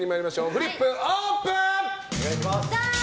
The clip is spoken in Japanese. フリップ、オープン！